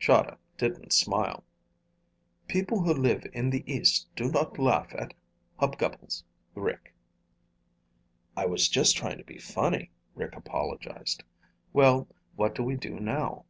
Chahda didn't smile. "People who live in the East do not laugh at hub gubbles, Rick." "I was just trying to be funny," Rick apologized. "Well, what do we do now?"